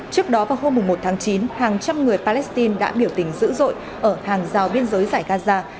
trước đó vào hôm một tháng chín hàng trăm người palestine đã biểu tình dữ dội ở hàng rào biên giới giải gaza